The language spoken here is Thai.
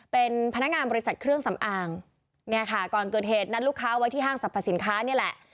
เป็นพนักงานบริษัทเครื่องสำอางเนี่ยค่ะก่อนเกิดเหตุนัดลูกค้าไว้ที่ห้างสรรพสินค้านี่แหละ